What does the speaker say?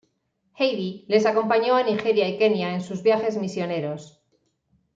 Heidi les acompañó a Nigeria y Kenya en sus viajes misioneros.